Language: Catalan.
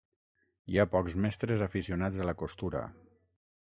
Hi ha pocs mestres aficionats a la costura.